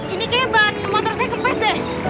ini keban motor saya kepes deh